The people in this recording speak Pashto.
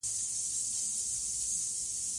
ګاز د افغان کلتور په داستانونو کې راځي.